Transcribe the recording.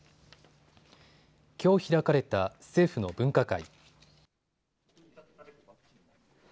きょう開かれた政府の分科会。